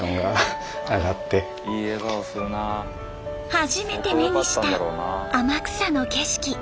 初めて目にした天草の景色。